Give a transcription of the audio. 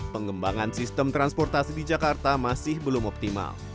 pengembangan sistem transportasi di jakarta masih belum optimal